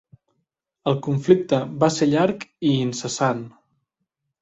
El conflicte va ser llarg i incessant.